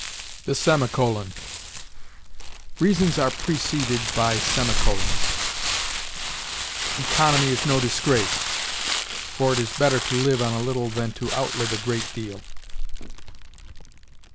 THE SEMICOLON. Reasons are preceded by semicolons; "Economy is no disgrace; for it is better to live on a little than to outlive a great deal."